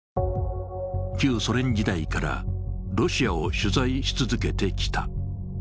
旧ソ連時代からロシアを取材し続けてきた。